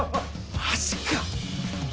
マジか！